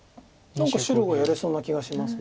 何か白がやれそうな気がします。